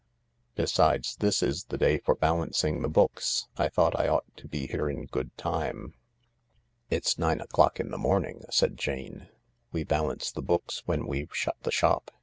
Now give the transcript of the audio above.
Besides, this is the day for balancing the books. I thought I ought to be here in good time." "It's nine o'clock in the morning/' said Jane. "We balance the books when we've shut the shop.